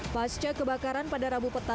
pasca kebakaran pada rabu petang